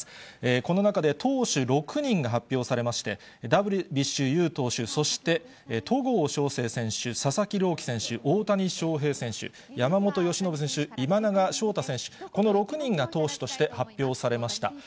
この中で、投手６人が発表されまして、ダルビッシュ有投手、そして戸郷翔征選手、佐々木朗希選手、大谷翔平選手、山本由伸選手、今永昇太選手、この６人が投手として発表されました。